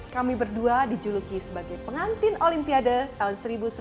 kami berdua dijuluki sebagai pengantin olimpiade tahun seribu sembilan ratus sembilan puluh